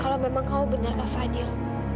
kalau memang kamu benar kak fadil